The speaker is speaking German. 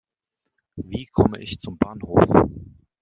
Wie komme ich zum Bahnhof?